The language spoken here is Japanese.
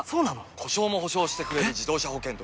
故障も補償してくれる自動車保険といえば？